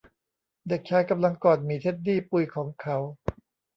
เด็กชายกำลังกอดหมีเท็ดดี้ปุยของเขา